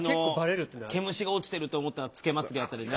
毛虫が落ちてると思ったら付けまつげだったりな。